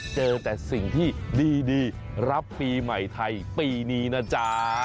เจอแต่สิ่งที่ดีรับปีใหม่ไทยปีนี้นะจ๊ะ